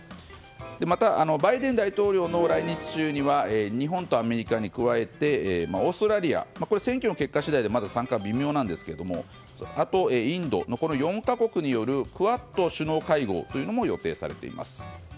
またバイデン大統領の来日中には日本とアメリカに加えてオーストラリア選挙の結果次第でまだ参加は微妙なんですがあとインドの４か国によるクアッド首脳会合というのも予定されています。